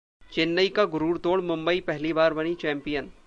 चेन्नई का गुरूर तोड़ मुंबई पहली बार बनी चैंपियन